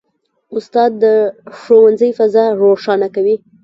استاد د ښوونځي فضا روښانه کوي.